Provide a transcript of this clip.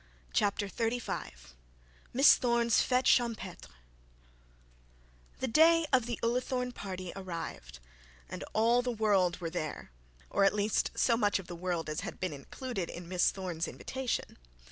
CHAPTER XXXV MISS THORNE'S FETE CHAMPETRE The day of the Ullathorne party arrived, and all the world was there; or at least so much of the world as had been included in Miss Thorne's invitation.